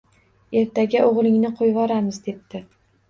Ertaga o‘g‘lingni qo‘yvoramiz depti.